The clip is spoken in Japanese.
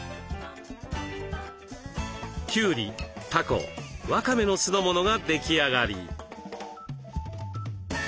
きゅうりたこわかめの酢の物が出来上がり。